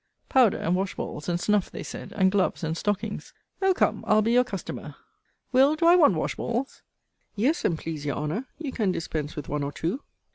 Powder, and wash balls, and snuff, they said; and gloves and stockings. O come, I'll be your customer. Will. do I want wash balls? Yes, and please your Honour, you can dispense with one or two.